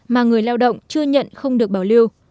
mà người lao động chưa nhận không được bảo lưu